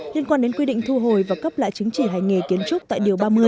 liên quan đến quy định thu hồi và cấp lại chứng chỉ hành nghề kiến trúc tại điều ba mươi